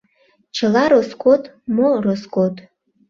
Чыла роскот мо роскот